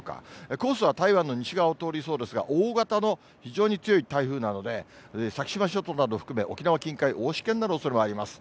コースは台湾の西側を通りそうですが、大型の非常に強い台風なので、先島諸島などを含め、沖縄近海は大しけになるおそれもあります。